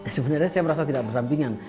sebenarnya saya merasa tidak berdampingan